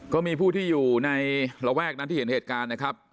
ก็มีผู้ที่อยู่ในระแวกนั้นที่เห็นเหตุการณ์นะครับ